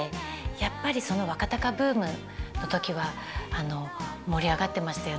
やっぱりその若貴ブームの時は盛り上がってましたよね。